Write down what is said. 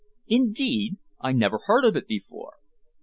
"Indeed! I never heard of it before."